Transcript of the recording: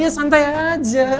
iya santai aja